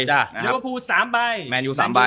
ลิเวอร์พูล๓ใบแมนยู๓ใบ